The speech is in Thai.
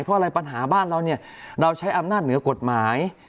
เพราะอะไรปัญหาบ้านเราเนี่ยเราใช้อำนาจเหนือกฎหมาย